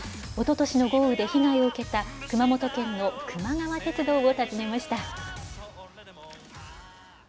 おととしの豪雨で被害を受けた、熊本県のくま川鉄道を訪ねました。